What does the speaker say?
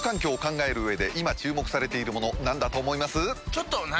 ちょっと何？